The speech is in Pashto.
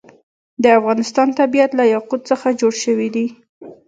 د افغانستان طبیعت له یاقوت څخه جوړ شوی دی.